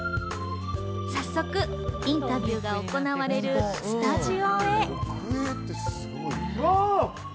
早速、インタビューが行われるスタジオへ。